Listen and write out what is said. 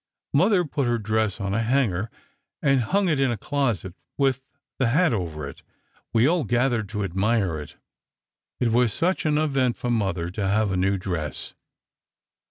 Mother put her dress on a hanger, and hung it in a closet, with the hat over it. We all gathered to admire it. It was such an event for mother to have a new dress.